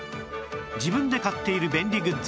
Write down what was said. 自分で買っている便利グッズ